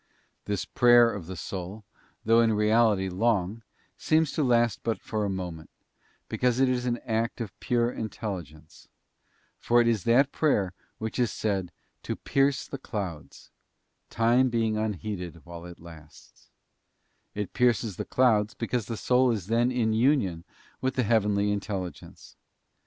This prayer of the soul, though in reality long, seems to last but for a moment, because it is an act of pure intelligence ; for it is that prayer which is said to ' pierce the clouds,'* time being unheeded while it lasts: it pierces the clouds because the soul is then in union with the heavenly Intelligence.